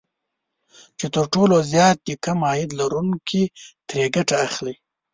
چې تر ټولو زيات د کم عاید لرونکي ترې ګټه اخلي